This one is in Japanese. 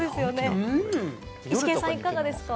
イシケンさん、いかがですか？